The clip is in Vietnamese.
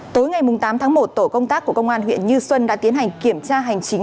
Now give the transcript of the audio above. tối ngày tám tháng một tổ công tác của công an huyện như xuân đã tiến hành kiểm tra hành chính